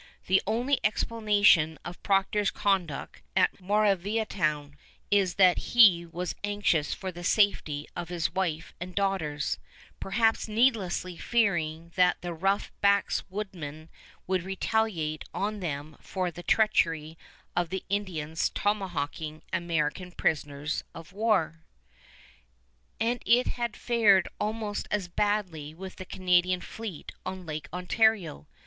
The only explanation of Procter's conduct at Moraviantown is that he was anxious for the safety of his wife and daughters, perhaps needlessly fearing that the rough backwoodsmen would retaliate on them for the treachery of the Indians tomahawking American prisoners of war. [Illustration: TECUMSEH] And it had fared almost as badly with the Canadian fleet on Lake Ontario.